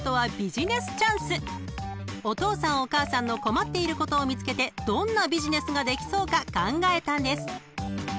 ［お父さんお母さんの困っていることを見つけてどんなビジネスができそうか考えたんです］